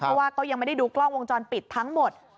เพราะว่าก็ยังไม่ได้ดูกล้องวงจรปิดทั้งหมด